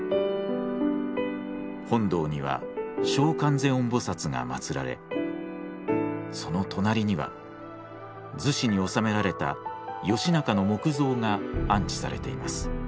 本堂には聖観世音菩が祀られその隣には厨子に納められた義仲の木像が安置されています。